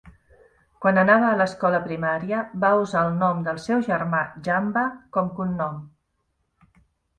Quan anava a l"escola primària, va usar el nom del seu germà Jamba com cognom.